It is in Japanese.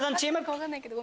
分かんないけど。